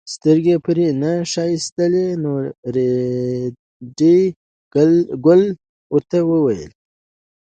سترګې پرې نه ښایستلې نو ریډي ګل ورته وویل.